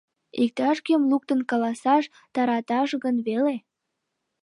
Иктаж-кӧм луктын каласаш тараташ гын веле?